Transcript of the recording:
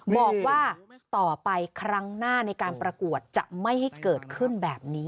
บอกว่าต่อไปครั้งหน้าในการประกวดจะไม่ให้เกิดขึ้นแบบนี้